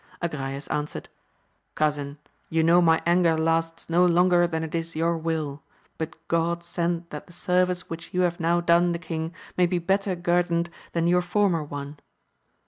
Agrayes answered. Cousin, you know my anger lasts no longer than it is your will ; but God send that the service which you have now done the king may be better guerdoned than your former ones